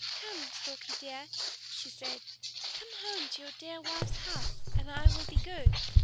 "Come, Storkie dear," she said, "come home to your dear wife's house, and I will be good."